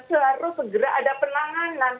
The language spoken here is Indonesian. seharusnya segera ada penanganan